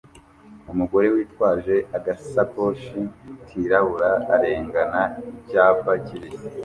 Umugore witwaje agasakoshi kirabura arengana icyapa kibisi